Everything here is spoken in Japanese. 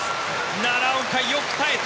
奈良岡、よく耐えた。